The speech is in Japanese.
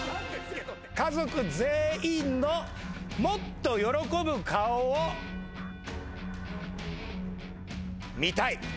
家族全員のもっと喜ぶ顔を見たい。